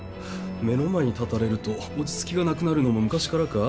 目の前に立たれると落ち着きがなくなるのも昔からか。